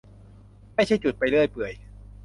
ไม่ใช่จุดไปเรื่อยเปื่อย